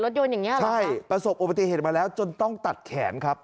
อย่างเงี้เหรอใช่ประสบอุบัติเหตุมาแล้วจนต้องตัดแขนครับ